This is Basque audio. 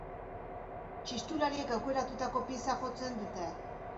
Txistulariek aukeratutako pieza jotzen dute.